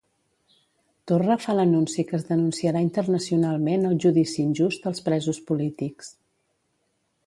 Torra fa l'anunci que es denunciarà internacionalment el judici injust als presos polítics.